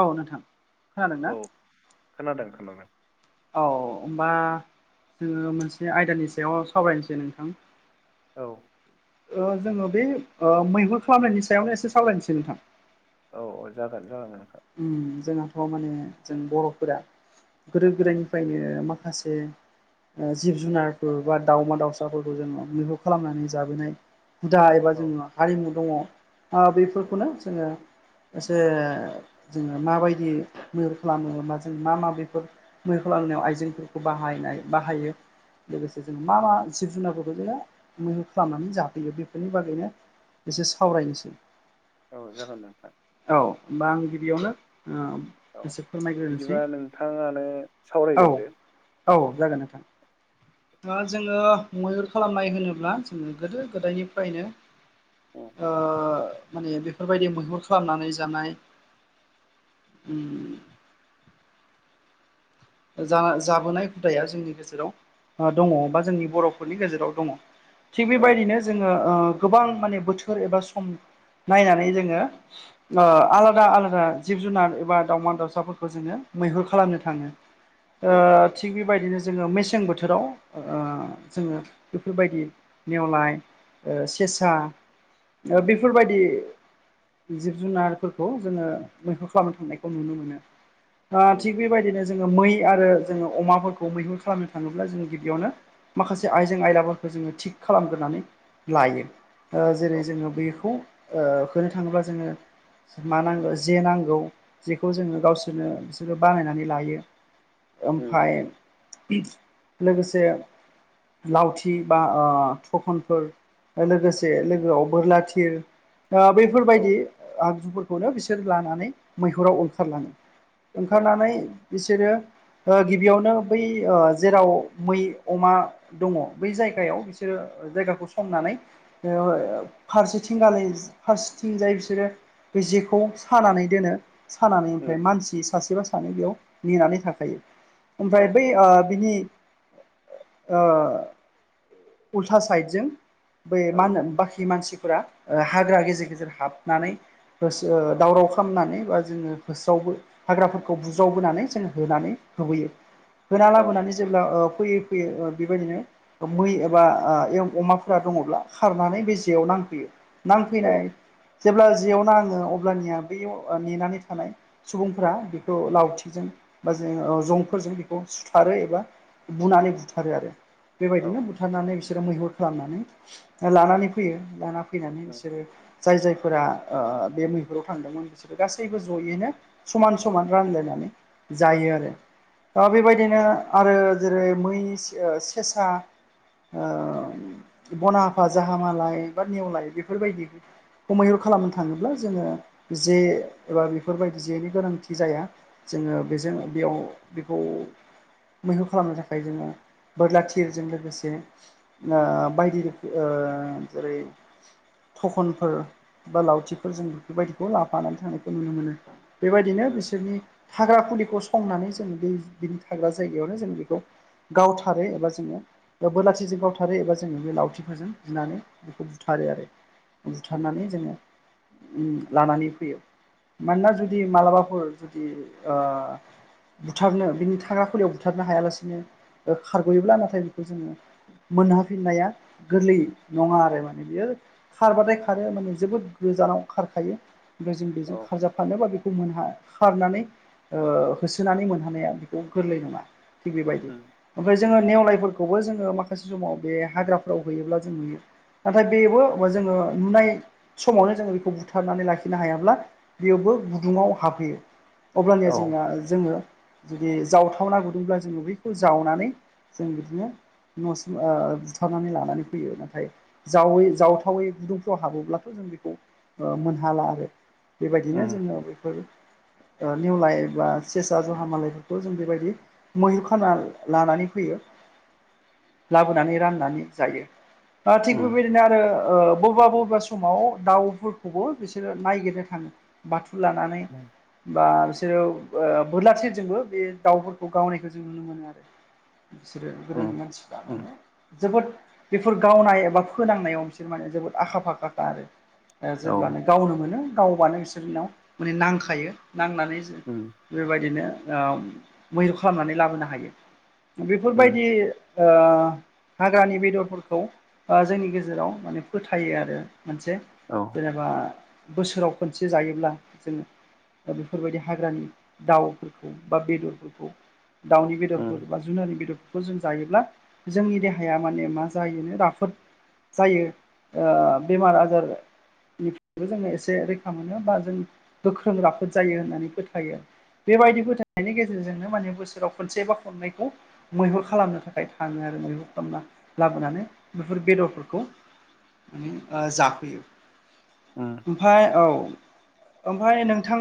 औ नोंथां खोनादों औ ना? खोनादों खोनादों। औ होमबा जोङो मोनसे आयदानि सायाव सावरायनोसै नोंथां। औ। ओ जोङो बे मैहुर खालामनायनि सायावनो एसे सावलायनोसै नोंथां। औ जागोन थ आरो नोंथां। ओम जोंहाथ' माने जों बर'फोरा गोदो गोदायनिफ्रायनो माखासे जिब जुनारफोर बा दाावमा दाउसाफोरखौ जोङो मैहुर खालामनानै जाबोनाय। हुदा एबा औ जों हारिमु दङ बेफोरखौनो जोङो एसे जोङो माबायदि मैहुर खालामोन बा जों मा मा बेफोर मैहुर खालामनायाव आइजेंफोरखौ बाहायनाय बाहायो लोगोसे जोङो मा मा जिब जुनारफोरखौ जोङो मैहुर खालामनानै जाफैयो बेफोरनि बागैनो एसे सावरायनोसै। औ जागोन नोंथां। बेयावनो ओ औ एसे फोरमायग्रोनोसै बिदिबा नोंथाङानो औ। सावरायग्रोदो औ औ जागोन नोंथां। जोङो मैहुर खालामनाय होनोब्ला जोङो गोदो गोदायनिफ्रायनो ओ माने बेफोरबायदि मैहुर खालामनानै जानाय ओम जा जाबोनाय हुदाया जोंनि गेजेराव ओ दङ बा जोंनि बर'फोरनि गेजेराव दङ। थिग औ बेबायदिनो जोङो ओ गोबां माने बोथोर एबा सम नायनानै जोङो ओ उम आलादा आलादा जिब जुनार एबा दावउमा दाउसाफोरखौ जोंङो मैहुर खालामनो थाङो। ओ थिग बि बायदिनो जोङो मेसें बोथोराव ओ जोङो बेफोरबायदि नेेवलाय ओ सेसा ओ उम बेफोरबायदि जिब जुनारफोरखौ जोङो मैहुर खालामनो थांनायखौ नुनो मोनो। ओ थिग बेबायदिनो जोङो मै आरो जोंङो अमाफोरखौ मैहुर खालामनो थाङोब्ला जोङो गिबियावनो माखासे आइजें आयलाफोरखौ जोङो थिग खालामग्रोनानै लायो। ओ जेरै औ जोङो बेखौ ओ होनो थाङोब्ला जोङो मा नांगौ जे नांगौ जेखौ जोङो गावसोरनो बिसोरो बानायनानै लायो। उम ओमफाय लोगोसे लावथि बा ओ थखनफोर ओ लोगोसे लोगोआव बोरला थिर ओ औ बैफोरबायदि आगजुफोर खौनो बिसोर लानानै मैहुराव ओंखारलाङो। औ ओंखारनानै बिसोरो ओ गिबियावनो बै ओ जेराव मै अमा दङ बै जायगायाव बिसोरो ओ जायगाखौ संनानै बे ओ फारसेथिं गालाय फारसेथिंजाय बिसोरो बै जेखौ सानानै दोनो। सानानै ओमफ्राय उम मानसि सासे बा सानै बेयाव नेनानै थाखायो। औ ओमफ्राय बै ओ बिनि ओ उल्था साइदजों बै औ मा होनो बाखि मानसिफोरा ओ हाग्रा गेजेर गेजेर हाबनानै होसो औ दावराव खालामनानै बा जोङो होस्रावबो हाग्राफोरखौ बुज्रावबोनानै जों होनानै होबोयो। होना लाबोनानै जों जेब्ला ओ फैयै फैयै ओ बेबायदिनो ओ मै एबा ओ एयाव अमाफोरा दङब्ला खारनानै बे जेयाव नांफैयो। औ नांफैनाय जेब्ला जेयाव नाङो अब्लानिया बैयाव ओ नेनानै थानाय सुबुंफोरा बेखौ लावथि जों बा जों ओ जंफोरजों बेखौ सुथारो एबा बुनानै बुथारो आरो। औ बेबायदिनो बुथारनानै बिसोरो मैहुर खालामनानै लानानै फैयो। लाना फैनानै उम बिसोरो जाय जायफोरा ओ बे मैहुराव थांदोंमोन बिसोरो गासैबो ज'यैनो समान समान रानलायनानै जायो आरो ओ बेबायदिनो आरो जेरै मै से ओ सेसा ओ बनहाफा, जाहामालाय बा नेवलाय बेफोरबायदि खौ मैहुर खालामनो थाङोब्ला जोङो जे एबा बेफोरबायदि जेनि गोनांथि जाया। जोङो बेजों बेयाव बेखौ मैहुर खालामनो थाखाय जोङो बोरला थिरजों लोगोसे ओ बायदि रोखोम ओ जेरै थखनफोर बा लावथिफोरजों बेफोरबायदिखौ लाफानानै थांनायखौ नुनो मोनो। बेबायदिनो उम बिसोरनि थाग्रा खुलिखौ संनानै जों बै बिनि थाग्रा जायगायावनो जों बेखौ गावथारो एबा जोङो बा बोरला थिरजों गावथारो एबा जोङो बे लावथिफोरजों बुनानै बेखौ बुथारो आरो। उम बुथारनानै जोङो उम लानानै फैयो मानोना जुदि मालाबाफोर जुदि ओ बुथारनो बिनि थाग्रा खुलियाव बुथारनो हायालासिनो ओ खारग'योब्ला नाथाय बेखौ जोङो मोनहाफिननाया गोरलै नङा आरो माने बियो खारबाथाय खारो माने जोबोद गोजानाव खारखायो। होमब्ला जों औ बेजों खारजाबफानो बा बेखौ मोनहा खारनानै ओ होसोनानै मोनहानाया बेखौ गोरलै नङा थिग बेबायदि। उम ओमफ्राय जोङो उम नेवलायफोरखौबो जोङो माखासे समाव बे हाग्राफ्राव होयोब्ला जों नुयो नाथाय बेबो ओ जोङो नुनाय समावनो जोङो बेखौ बुथारनानै लाखिनो हायाब्ला बेयावबो गुदुङाव हाबहैयो अब्लानिया औ जोंना जोङो जुदि जावथावना गुदुंब्ला जोङो बैखौ जावनानै जों बिदिनो न'सिम बुथारनानै लानानै फैयो नाथाय जावै जावथावै गुदुंफ्राव हाबोब्लाथ' जों बेखौ मोनहाला आरो बेबायदिनो उम जोङो बैफोर नेवलाय बा सेसा जहा मालायफोरखौ जों बेबायदि मैहुर खाना लानानै फैयो लाबोनानै राननानै जायो थिग उम बेबायदिनो आरो बबेबा बबेबा समाव दाउफोरखौबो बिसोरो नायगिरनो थाङो बाथु लानानै उम बा बिसोरो बोरला थिरजोंबो बे दाउफोरखौ गावनायखौ जों नुनो मोनो आरो बिसोरो गोदोनि मानसिफ्रा उम माने जोबोद बेफोर गावनाय एबा फोनांनायाव बिसोर माने जोबोद आखा फाखाखा आरो औ जेब्लानो गावनो मोनो गावबानो बिसोरनिनाव माने नांखायो नांनानै उम बेबायदिनो मैहुर खालामनानै लाबोनो हायो उम बेफोरबायदि हाग्रानि बेदरफोरखौ जोंनि गेजेराव माने फोथायो आरो मोनसे औ जेनेबा बोसोराव खनसे जायोब्ला जों बेफोरबायदि हाग्रानि दाउफोरखौ बा बेदरफोरखौ दाउनि उम बेदरफोर बा जुनारनि बेदरफोर खौ जों जायोब्ला जोंनि देहाया माने मा जायोनो राफोद जायो बेमार आजार निफ्रायबो जोङो एसे रैखा मोनो बा जों गोख्रों राफोद जायो होननानै फोथायो बेबायदि फोथायनायनि गेजेरजोंनो माने बोसोराव खनसे बा खननैखौ मैहुर खालामनो थाखाय थाङो आरो मैहुर खालामना लाबोनानै बेफोर बेदरफोरखौ जाफैयो अ ओमफाय औ ओमफाय नोंथां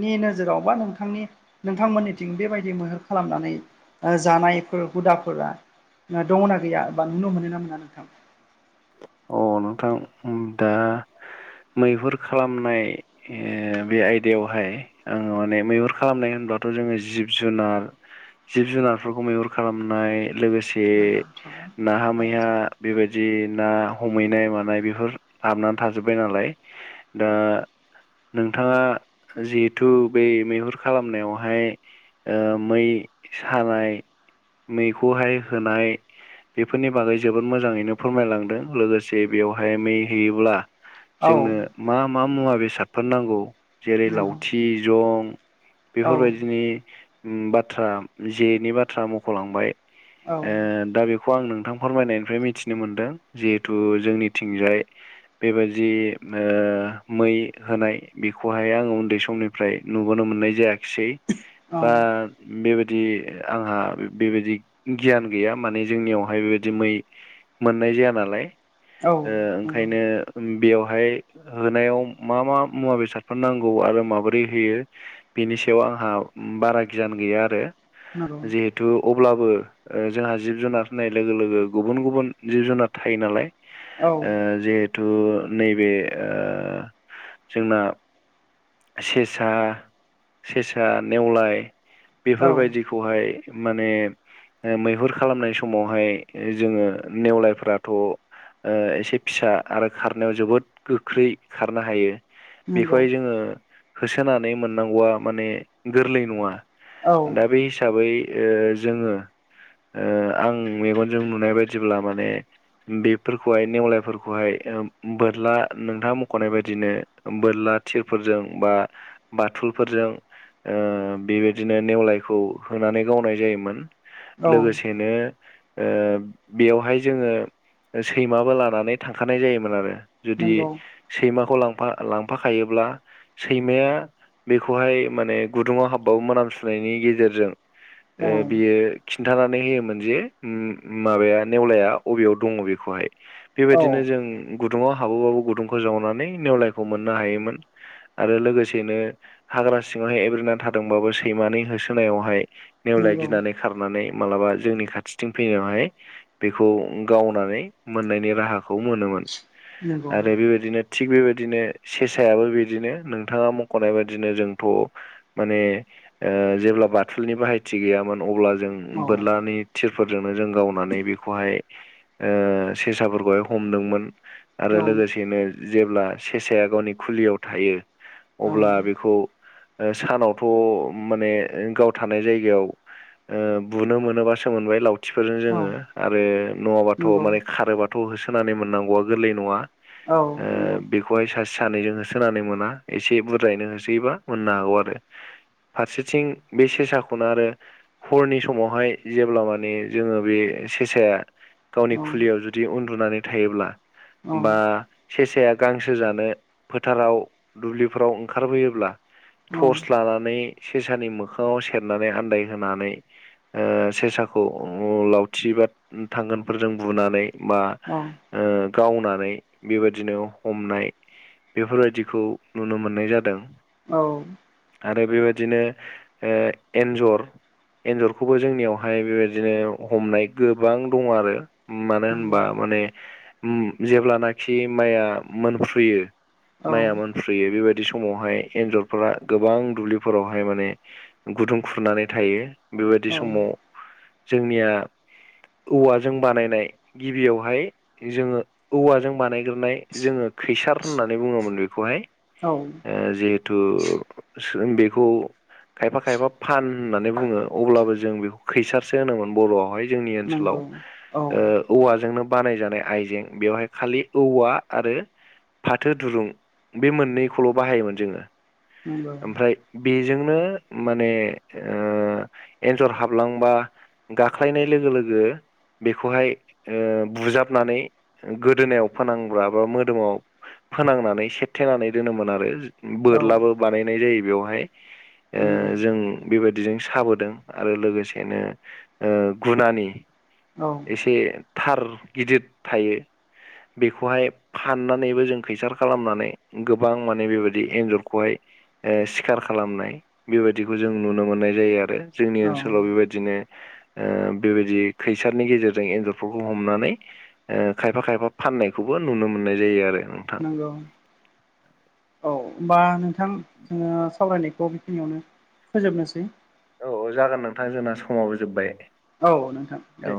नि नोजोराव बा नोंथांनि नोंथांमोननिथिं बेबायदि मैहुर खालामनानै ओ जानायफोर हुदाफोरा दङना गैया बा नुनो मोनो ना मोना नोंथां अ नोंथां उम दा मैहुर खालामनाय ओ बे आयदायावहाय आङो माने मैहुर खालामनाय होनब्लाथ' जोङो जिब-जुनार जिब-जुनारफोरखौ मैहुर खालामनाय लोगोसे बे नाहा मैहा बेबायदि ना हमहैनाय मानाय बेफोर हाबनानै थाजोब्बाय नालाय दा नोंथाङा जिहेथु बै मैहुर खालामनायावहाय ओ मै सानाय मैखौहाय होनाय बेफोरनि बागै जोबोद मोजाङैनो फोरमायलां दों लोगोसे बेयावहाय मै होयोब्ला औ जोंनो मा मा मुवा बेसादफोर नांगौ जेरै नंगौ लावथि जं औ बेफोरबायदिनि उम बाथ्रा जेनि बाथ्रा मख'लांबाय औ ओ दा बे खौ आं नोंथां फोरमायनायनिफ्राय मिथिनो मोनदों जिहेथु जोंनिथिंजाय बेबायादि ओ मै होनाय बेखौहाय आङो उन्दै समनि फ्राय नुबोनो मोननाय जायाखिसै औ बा बेबायदि आंहा बेबायदि गियान गैया माने जोंनियावहाय बेबायदि मै मोननाय जाया नालाय ओ नंगौ ओंखायनो ओम बेवहाय होनायाव मा मा मुवा बेसादफोर नांगौ आरो माबोरै होयो बेनि सायाव आंहा बारा गियान गैया आरो नंगौ जेहे तु अब्लाबो ओ जोंहा जिब जुनार होननाय लोगो लोगो गुबुन गुबुन जिब जुनार थायो नालाय। औ ओ जेहेथु नैबे ओ जोंना सेसा सेसा नेवलाय बेफोरबायदि खौहाय माने ओ मैहुर खालामनाय समावहाय जोङो नेवलायफोरा थ' ओ एसे फिसा आरो खारनायाव जोबोद गोख्रै खारनो हायो। नंगौ बेखौहाय जोङो होसोनानै मोननांगौआ माने गोरलै नङा। औ दा बे हिसाबै ओ जोङो ओ आं मेगनजों नुनाय बायदिब्ला माने बेफोरखौहाय नेवलायफोरखौहाय ओ बोरला नोंथाङा मख'नाय बायदिनो बोरला थिरफोरजों बा बाथुलफोरजों ओ बेबायदिनो नेवलायखौ होनानै गावनाय जायोमोन। औ लोगोसेनो ओ बेवहाय जोङो ओ सैमाबो लानानै थांखानाय जायोमोन आरो जुदि नंगौ सैमाखौ लांफा लांफाखायोब्ला सैमाया बेखौहाय माने गुदुङाव हाब्बाबो मोनामसुनायनि गेजेरजों औ ओ बियो खिन्थानानै होयोमोन जे उम उम माबाया नेवलाया अबेयाव दङ बेखौहाय औ बेबायदिनो जों गुदुङाव हाबोबाबो गुदुंखौ जावनानै नेवलायखौ मोननो हायोमोन। आरो लोगोसेनो हाग्रा सिङाव एब्रेनानै थादोंबाबो सैमानि होसोनायावहाय नेवलाया नंगौ गिनानै खारनानै मालाबा जोंनि खाथिथिं फैनायावहाय बेखौ गावनानै मोन्नायनि राहाखौ मोनोमोन नंगौ आरो बेबायदिनो थिग बेबायदिनो सेसायाबो बिदिनो नोंथाङा मख'नाय बादिनो जोंथ' माने ओ जेब्ला बाथुलनि बाहायथि गैयामोन अब्ला जों औ उम बोरलानि थिरफोरजोंनो जों गावनानै बेखौहाय ओ सेसाफोरखौहाय हमदोंमोन आरो औ लोगोसेनो जेब्ला सेसाया गावनि खुलियाव थायो अब्ला नंगौ बेखौ ओ सानावथ' माने ओ गाव थानाय जायगायाव ओ बुनो मोनोबासो मोनबाय लाव थिफोरजों जोङो आरो नङाबाथ' माने खारोबाथ' होसोनानै मोननांगौआ गोरलै नङा। औ ओ नंगौ बे खौहाय सासे सानैजों होसोनानै मोना एसे बुरजायैनो होसोयोबा मोननो हागौ आरो। फारसेथिं बे सेसाखौनो आरो हरनि समावहाय जेब्ला माने जोङो बे सेसाया गावनि औ खुलियाव जुदि उन्दुनानै थायोब्ला औ बा सेसाया गांसो जानो फोथाराव दुब्लिफ्राव ओंखारबोयोब्ला औ थर्स लानानै सेसानि मोखाङाव सेरनानै आन्दायहोनानै ओ सेसाखौ अ लावथि बा थांगोनफोरजों बुनानै बा अ। ओ गावनानै बेबायदिनो हमनाय बेफोरबायदिखौ नुनो मोननाय जादों। औ। आरो बेबायदिनो ओ एन्जर एन्जरखौबो जोंनियावहाय बेबायदिनो हमनाय गोबां दं आरो। उम मानो नंगौ होनबा माने उम जेब्लानाखि माइया मोनफ्रुयो औ माइआ मोनफ्रुयो बेबायदि समावहाय एन्जरफोरा गोबां दुब्लिफोरावहाय माने गुदुं खुरनानै थायो बेबायदि औ समाव जोंनिया औवा जों बानायनाय गिबियावहाय जोङो औवाजों बानायगोरनाय जोङो खैसार होननानै बुङोमोन बेखौहाय। औ ओ जिहेथु सों बेखौ खायफा खायफा फान होननानै बुङो अब्लाबो जों बेखौ खैसारसो होनोमोन बर'आवहाय जोंनि नंगौ ओनसोलाव। औ ओ औवाजोंनो बानायजानाय आइजें बेवहाय खालि औवा आरो फाथो दुरुं बे मोननैखौल' बाहायोमोन जोङो। नंगौ ओमफ्राय बेजोंनो माने ओ एनजर हाबलांबा ‌ गाख्लायनाय लोगो लोगो बेखौहाय ओ बुजाबनानै गोदोनायाव फोनांब्ला बा मोदोमाव फोनांनानै सेेरथेनानै दोनोमोन आरो। औ बोरलाबो बानायनाय जायो बेयावहाय ओ नंगौ जों बेबायदिजों साबोदों आरो लोगोसेनो ओ गुनानि औ एसे थार गिदिद थायो। बेखौहाय फाननानैबो जों खैसार खालामनानै गोबां माने बेबायदि एन्जरखौहाय ओ सिखार खालामनाय बेबायदिखौ जों नुनो मोननाय जायो आरो जोंनि ओनसोलाव बेबायदिनो ओ बेबायदि खैसारनि गेजेरजों एन्जरफोरखौ हमनानै ओ खायफा खायफा फाननायखौबो नुनो मोननाय जायो आरो उम। [unintelligible] औ होमबा नोंथां जोङो सावरायनायखौ बेखिनियावनो फोजोबनोसै। औ जागोन नोंथां जोंना समाबो जोबबाय। औ नोंथां दे।